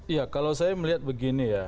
iya kalau saya melihat begini ya